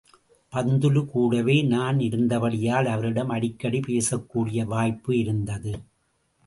பந்துலு கூடவே நான் இருந்தபடியால் அவரிடம் அடிக்கடி பேசக்கூடிய வாய்ப்பு இருந்தது.